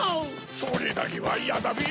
それだけはイヤだべ！